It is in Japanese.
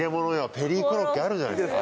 ペリーコロッケあるんじゃないですか？